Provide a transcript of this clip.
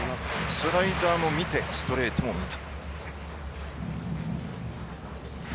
スライダーを見てストレートも見た。